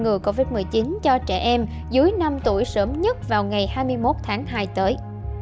ngừa covid một mươi chín cho trẻ em dưới năm tuổi sớm nhất vào ngày hai mươi một tháng hai tới